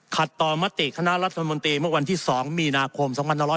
ต่อมติคณะรัฐมนตรีเมื่อวันที่๒มีนาคม๒๕๖๐